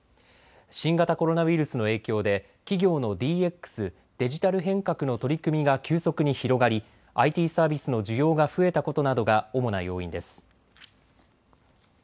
新型コロナウイルスの影響で企業のＤＸ・デジタル変革の取り組みが急速に広がりＩＴサービスの需要が増えたことなどが主な要因です。